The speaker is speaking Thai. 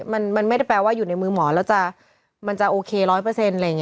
มันไม่ได้แปลว่าอยู่ในมือหมอแล้วมันจะโอเคร้อยเปอร์เซ็นต์อะไรอย่างนี้